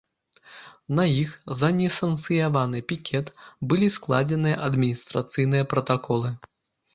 На іх за несанкцыянаваны пікет былі складзеныя адміністрацыйныя пратаколы.